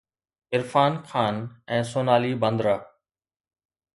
Irfan Khan ۽ Sonali Bandra